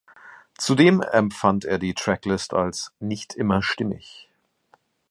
Zudem empfand er die Tracklist als „nicht immer stimmig“.